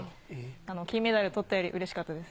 金メダルとったよりうれしかったです。